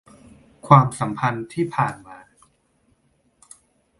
ความสัมพันธ์ที่ผ่านมา